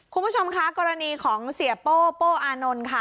คุณผู้ชมคะกรณีของเสียโป้โป้อานนท์ค่ะ